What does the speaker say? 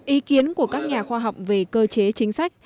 ý kiến của các nhà khoa học về cơ chế chính sách